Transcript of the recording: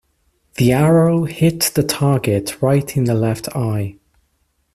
The arrow hit the target right in the left eye.